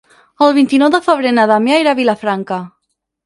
El vint-i-nou de febrer na Damià irà a Vilafranca.